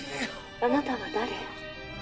あなたは誰？